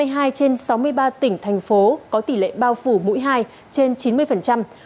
hai mươi hai trên sáu mươi ba tỉnh thành phố có tỷ lệ bao phủ mũi hai trên chín mươi